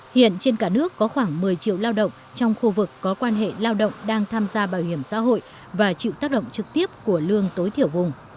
hiện trên cả nước có khoảng một mươi triệu lao động trong khu vực có quan hệ lao động đang tham gia bảo hiểm xã hội và chịu tác động trực tiếp của lương tối thiểu vùng